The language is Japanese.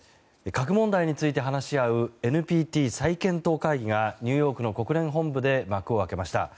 核問題について話し合うＮＰＴ再検討会議がニューヨークの国連本部で幕を開けました。